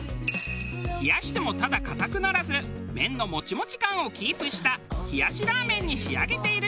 冷やしてもただ硬くならず麺のモチモチ感をキープした冷やしラーメンに仕上げているという。